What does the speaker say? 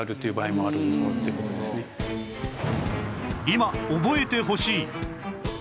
今覚えてほしい